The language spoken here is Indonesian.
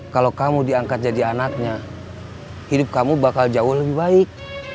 kalau kamu diangkat jadi anaknya hidup kamu bakal jauh lebih baik